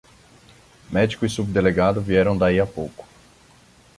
Médico e subdelegado vieram daí a pouco.